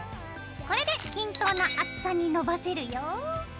これで均等な厚さにのばせるよ。